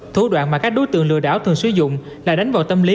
thủ đoạn mà các đối tượng lừa đảo thường sử dụng là đánh vào tâm lý